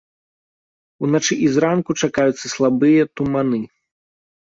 Уначы і зранку чакаюцца слабыя туманы.